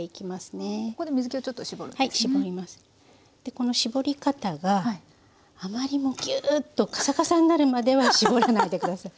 この搾り方があまりもうギューッとカサカサになるまでは搾らないで下さい。